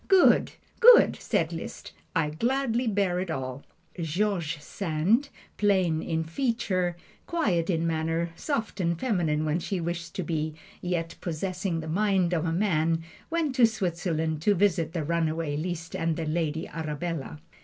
"Good! good!" said Liszt, "I gladly bear it all." George Sand, plain in feature, quiet in manner, soft and feminine when she wished to be, yet possessing the mind of a man, went to Switzerland to visit the runaway Liszt and the "Lady Arabella."